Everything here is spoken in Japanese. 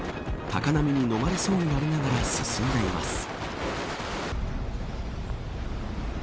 高波にのまれそうになりながら進んでいます。